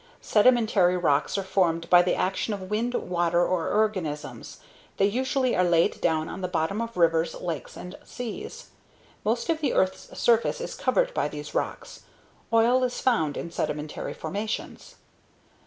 Sedimentary rocks are formed by the action of wind, water, or organisms. They usually are laid down on the bottom of rivers, lakes and seas. Most of the earth's surface is covered by these rocks. Oil is found in sedimentary formations.